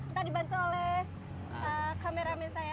ntar dibantu oleh kameramen saya ya